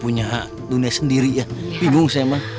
punya dunia sendiri ya bingung sih emang